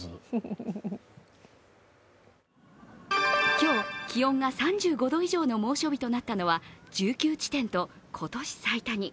今日、気温が３５度以上の猛暑日となったのは１９地点と今年最多に。